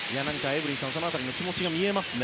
エブリンさん、その辺りの気持ちが見えますね。